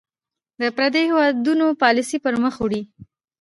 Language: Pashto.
د پرديـو هېـوادونـو پالسـي پـر مــخ وړي .